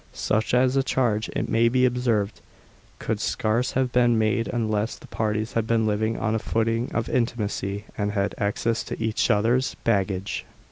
Such a charge, it may be observed, could scarce have been made unless the parties had been living on a footing of intimacy, and had access to each other's baggage.